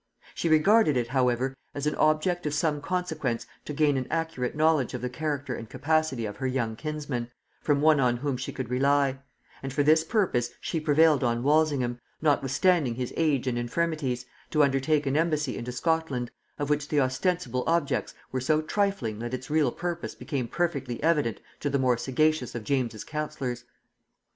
She regarded it however as an object of some consequence to gain an accurate knowledge of the character and capacity of her young kinsman, from one on whom she could rely; and for this purpose she prevailed on Walsingham, notwithstanding his age and infirmities, to undertake an embassy into Scotland, of which the ostensible objects were so trifling that its real purpose became perfectly evident to the more sagacious of James's counsellors.